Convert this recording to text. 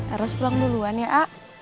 eros pulang duluan ya ah